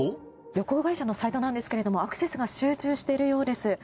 旅行会社のサイトなんですがアクセスが集中しているようです。